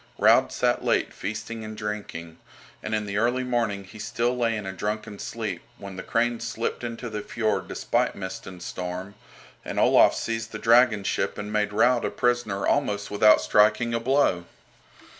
Raud sat late feasting and drinking, and in the early morning he still lay in a drunken sleep when the "Crane" slipped into the fiord despite mist and storm, and Olaf seized the dragon ship and made Raud a prisoner almost without striking a blow.